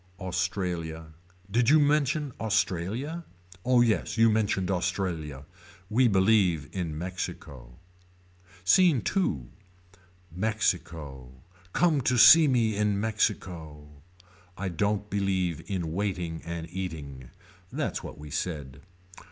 Australia. Did you mention Australia. Oh yes you mentioned Australia. We believe in Mexico. SCENE II. Mexico. Come to see me in Mexico. I don't believe in waiting and eating. That's what we said.